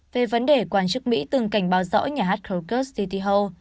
về vấn đề quan chức mỹ từng cảnh báo rõ nhà hát kyrgyz tityhul